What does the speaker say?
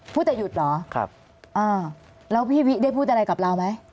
พูดจะหยุดเหรอครับอ่าแล้วพี่วิได้พูดอะไรกับเราไหม